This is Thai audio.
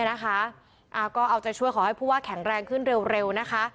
ก็เอาใจช่วยขอให้ผู้ว่าแข็งแรงขึ้นเร็วนะคะ